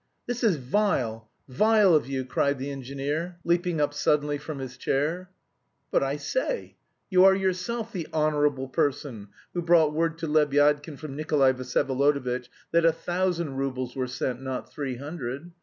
"This is vile, vile of you!" cried the engineer, leaping up suddenly from his chair. "But I say, you are yourself the honourable person who brought word to Lebyadkin from Nikolay Vsyevolodovitch that a thousand roubles were sent, not three hundred.